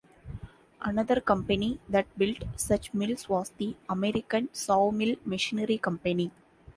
Another company that built such mills was the American Sawmill Machinery Company.